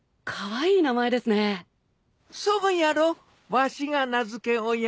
わしが名付け親。